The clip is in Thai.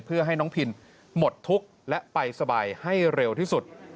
เพื่อให้น้องพินหมดทุกข์และไปสบายให้เร็วที่สุด